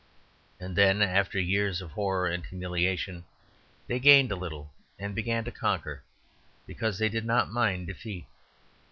And then, after years of horror and humiliation, they gained a little and began to conquer because they did not mind defeat.